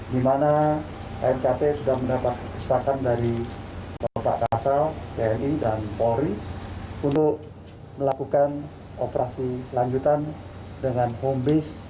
di mana knkt sudah mendapat kesempatan dari bapak kasal tni dan polri untuk melakukan operasi lanjutan dengan home base